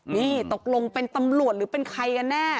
นี่ตกลงเป็นตำรวจหรือเป็นใครกันแน่